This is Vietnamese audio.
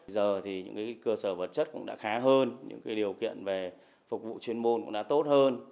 giờ thì những cơ sở vật chất cũng đã khá hơn những điều kiện về phục vụ chuyên môn cũng đã tốt hơn